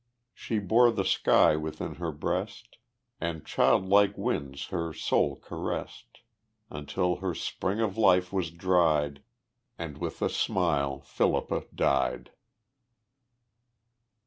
She bore the sky within her breast, And child like winds her soul caressed, Until her spring of life was dried, And with a smile Philippa died.